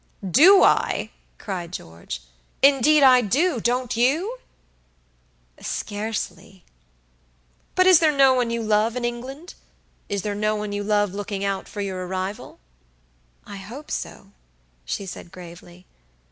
"Do I?" cried George. "Indeed I do. Don't you?" "Scarcely." "But is there no one you love in England? Is there no one you love looking out for your arrival?" "I hope so," she said gravely.